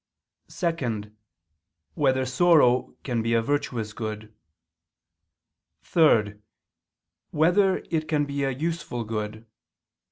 (2) Whether sorrow can be a virtuous good? (3) Whether it can be a useful good?